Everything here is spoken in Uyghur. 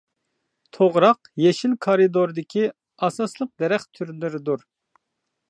توغراق يېشىل كارىدوردىكى ئاساسلىق دەرەخ تۈرلىرىدۇر.